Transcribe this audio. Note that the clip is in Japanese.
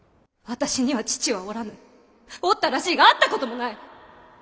私には父はおらぬおったらしいが会ったこともない！